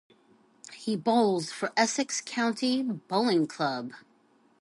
He bowls for Essex County Bowling Club.